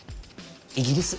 イギリス。